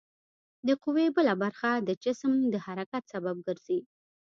د قوې بله برخه د جسم د حرکت سبب ګرځي.